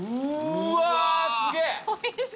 うわすげぇ！